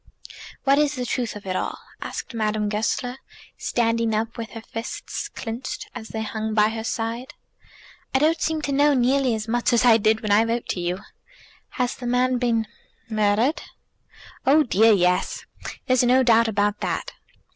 "What is the truth of it all?" said Madame Goesler, standing up with her fists clenched as they hung by her side. "I don't seem to know nearly as much as I did when I wrote to you." "Has the man been murdered?" "Oh dear, yes. There's no doubt about that.